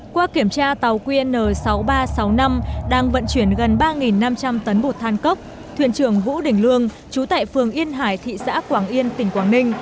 qua kiểm tra tàu qn sáu nghìn ba trăm sáu mươi năm đang vận chuyển gần ba năm trăm linh tấn bột than cốc thuyền trưởng vũ đình lương chú tại phường yên hải thị xã quảng yên tỉnh quảng ninh